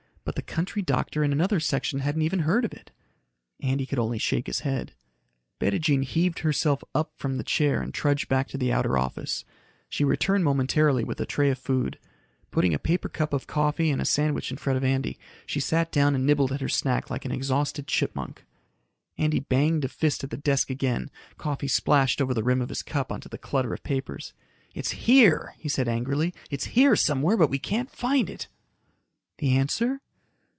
But the country doctor in another section hadn't even heard of it." Andy could only shake his head. Bettijean heaved herself up from the chair and trudged back to the outer office. She returned momentarily with a tray of food. Putting a paper cup of coffee and a sandwich in front of Andy, she sat down and nibbled at her snack like an exhausted chipmunk. Andy banged a fist at his desk again. Coffee splashed over the rim of his cup onto the clutter of papers. "It's here," he said angrily. "It's here somewhere, but we can't find it." "The answer?"